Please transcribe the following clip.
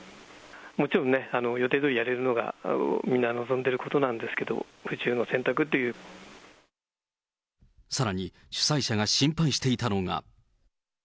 もちろんね、予定どおりやれるのがみんな望んでることなんですけど、さらに、主催者が心配していたのが。